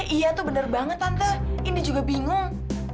iya tuh bener banget tante ini juga bingung